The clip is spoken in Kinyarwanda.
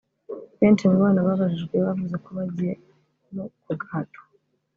benshi mu bana babajijwe bavuze ko bagiyemo ku gahato